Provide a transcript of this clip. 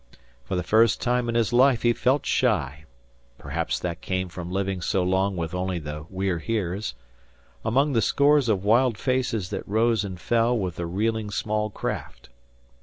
For the first time in his life he felt shy perhaps that came from living so long with only the We're Heres among the scores of wild faces that rose and fell with the reeling small craft.